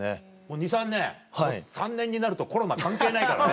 ２３年３年になるとコロナ関係ないからね。